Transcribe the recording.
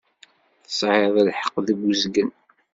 Tesɛiḍ lḥeqq deg uzgen.